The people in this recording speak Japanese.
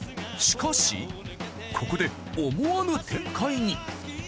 しかしここで思わぬ展開に。